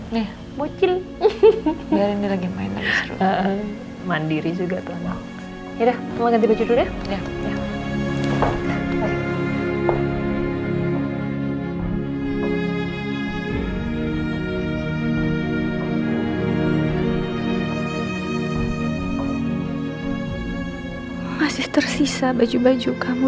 ya bocin biar ini lagi main mandiri juga tuh udah mau ganti baju udah masih tersisa baju baju kamu